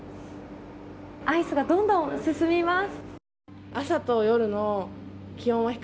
アイスがどんどん進みます。